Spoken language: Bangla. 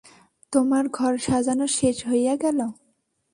তোমার ঘর-সাজানো শেষ হইয়া গেল?